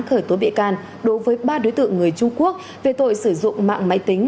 khởi tố bị can đối với ba đối tượng người trung quốc về tội sử dụng mạng máy tính